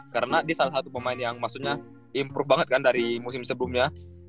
karena dia salah satu pemain yang maksudnya improve banget kan dari musim sebelumnya